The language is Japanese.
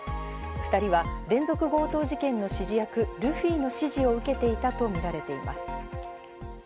２人は連続強盗事件の指示役・ルフィの指示を受けていたとみられています。